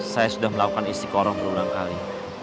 saya sudah melakukan istiqorah berulang kali